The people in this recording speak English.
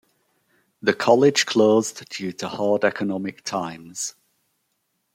The college closed due to hard economic times.